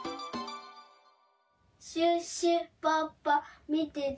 シュッシュポッポみてて。